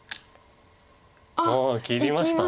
ああ切りました。